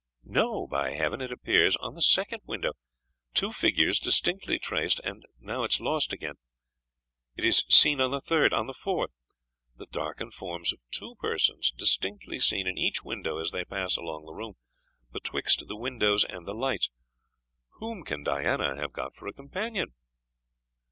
No, by Heaven! it appears on the second window, two figures distinctly traced; and now it is lost again it is seen on the third on the fourth the darkened forms of two persons distinctly seen in each window as they pass along the room, betwixt the windows and the lights. Whom can Diana have got for a companion?"